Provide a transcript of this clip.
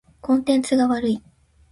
コンテンツが悪い。